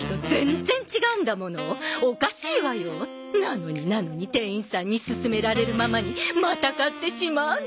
なのになのに店員さんに勧められるままにまた買ってしまうのよ！